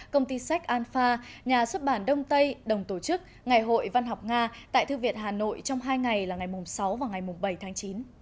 công ty sách anfa nhà xuất bản đông tây đồng tổ chức ngày hội văn học nga tại thư viện hà nội trong hai ngày là ngày sáu và ngày bảy tháng chín